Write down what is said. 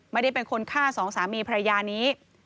ไม่ได้เป็นคนฆ่าสองสามีภรรยานี้